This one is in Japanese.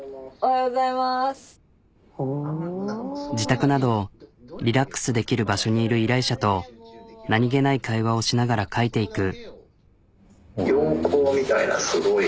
自宅などリラックスできる場所にいる依頼者と何げない会話をしながら描いていく。